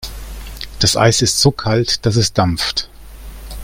Das Eis ist so kalt, dass es dampft.